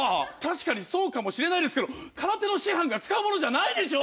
確かにそうかもしれないですけど空手の師範が使う物じゃない！